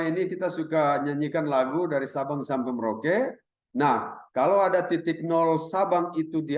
ini kita suka nyanyikan lagu dari sabang sampai merauke nah kalau ada titik nol sabang itu di